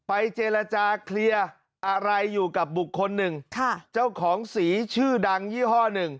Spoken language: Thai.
เจรจาเคลียร์อะไรอยู่กับบุคคลหนึ่งค่ะเจ้าของสีชื่อดังยี่ห้อหนึ่ง